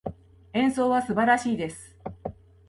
演奏は素晴らしいです。